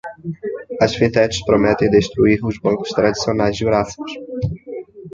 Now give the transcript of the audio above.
As fintechs prometem destruir os bancos tradicionais jurássicos